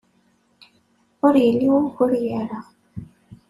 Ur yelli wugur gar-aɣ.